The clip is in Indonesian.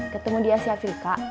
ketemu di asia afrika